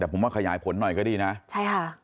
แต่ผมว่าขยายผลหน่อยก็ดีนะใช่ค่ะ